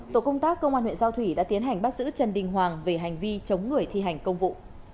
tổ công tác công an huyện giao thủy đã tiến hành bắt giữ trần đình hoàng về hành vi chống người thi hành công vụ